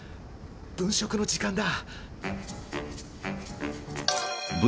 分食の時間だ